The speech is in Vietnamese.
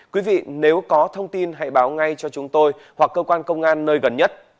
quý vị nếu có thông tin hãy báo ngay cho chúng tôi hoặc cơ quan công an nơi gần nhất